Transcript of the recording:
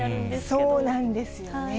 そうなんですよね。